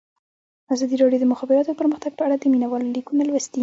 ازادي راډیو د د مخابراتو پرمختګ په اړه د مینه والو لیکونه لوستي.